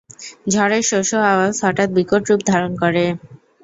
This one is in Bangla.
ঝড়ের শো শো আওয়াজ হঠাৎ বিকটরূপ ধারণ করে।